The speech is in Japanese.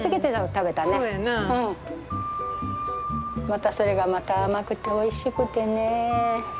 またそれがまた甘くておいしくてね。